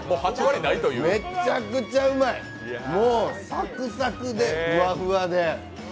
めちゃくちゃうまい、もうサクサクでふわふわで。